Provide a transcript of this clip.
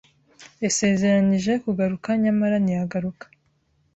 Yasezeranije kugaruka nyamara ntiyagaruka.